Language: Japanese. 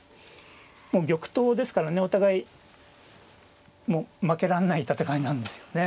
もう玉頭ですからねお互い負けらんない戦いなんですよね。